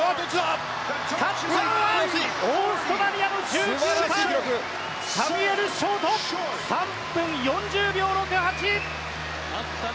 勝ったのはオーストラリアの１９歳サミュエル・ショート３分４０秒６８。